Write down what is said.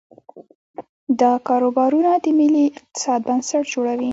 دا کاروبارونه د ملي اقتصاد بنسټ جوړوي.